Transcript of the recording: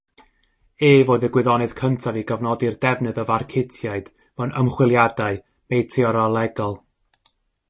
Ef oedd y gwyddonydd cyntaf i gofnodi'r defnydd o farcutiaid mewn ymchwiliadau meteorolegol.